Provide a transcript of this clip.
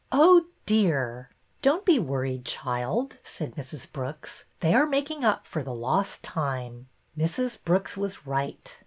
Oh, dear !" Don't be worried, child," said Mrs. Brooks, they are making up the lost time." Mrs. Brooks was right.